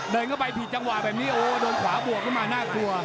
เดินเข้าไปผิดจังหวะแบบนี้โอ้โดนขวาบวกขึ้นมาน่ากลัว